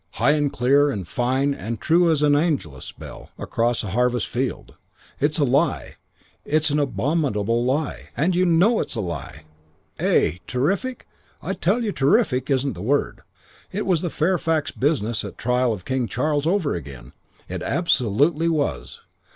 High and clear and fine and true as an Angelus bell across a harvest field. 'It's a lie. It's an abominable lie; and you know it's a lie!' "Eh? Terrific? I tell you terrific isn't the word. It was the Fairfax business at the trial of King Charles over again. It absolutely was.